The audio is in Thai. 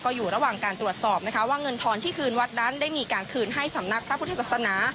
อยู่ระหว่างการตรวจสอบนะคะว่าเงินทอนที่คืนวัดนั้นได้มีการคืนให้สำนักพระพุทธศาสนา